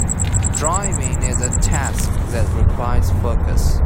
Driving is a task that requires focus.